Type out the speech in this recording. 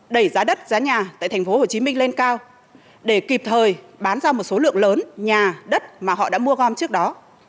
đẩy giá đất giá nhà tại tp hcm lên cao để kịp thời bán ra một số lượng lớn nhà đất mà họ đã mua gom trước đó